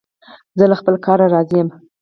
زه له خپل کار راضي یم.